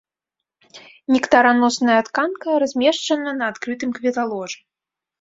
Нектараносная тканка размешчана на адкрытым кветаложы.